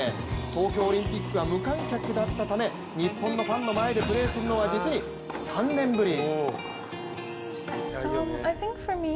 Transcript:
東京オリンピックは無観客だったため日本のファンの前でプレーするのは実に３年ぶり。